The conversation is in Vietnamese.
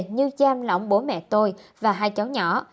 như cham lỏng bố mẹ tôi và hai cháu nhỏ